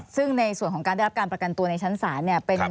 ซึ่งในส่วนของการได้รับการประกันตัวในชั้นศาลเนี่ย